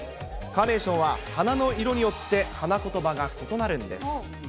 カーネーションは、花の色によって、花言葉が異なるんです。